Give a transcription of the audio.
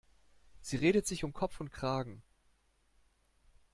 Sie redet sich um Kopf und Kragen.